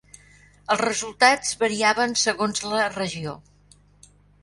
Els resultats variaven segons la regió.